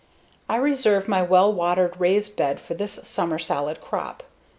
I reserve my well watered raised bed for this summer salad crop.